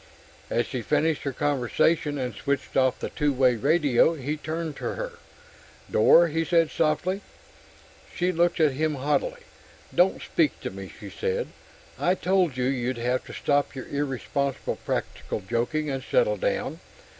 As she finished her conversation and switched off the two way radio, he turned to her. "Dor," he said softly. She looked at him haughtily. "Don't speak to me!" she said. "I told you you'd have to stop your irresponsible practical joking and settle down.